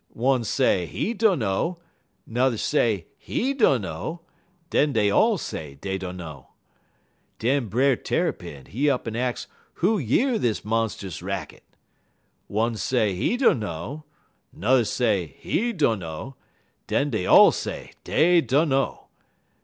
One say he dunno, n'er say he dunno, den dey all say dey dunno. Den Brer Tarrypin, he up'n ax who year dis monst'us racket. One say he dunno, n'er say he dunno, den dey all say dey dunno.